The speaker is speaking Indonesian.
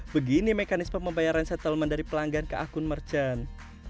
begini mekanisme pembayaran settlement dari pelanggan ke akun merchant